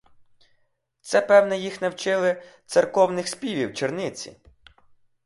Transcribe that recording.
Це певне їх навчили церковних співів черниці.